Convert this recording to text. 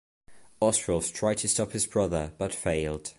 Oswulf tried to stop his brother, but failed.